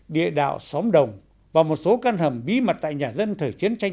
địa đạo xóm đồng và một số căn hầm bí mật tại nhà dân thời chiến tranh